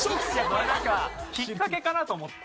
これなんか引っかけかな？と思って。